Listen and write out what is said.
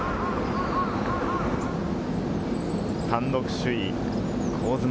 単独首位・香妻。